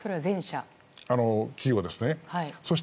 企業ですね。